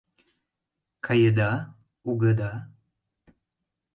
Каеда, огыда?